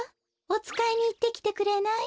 おつかいにいってきてくれない？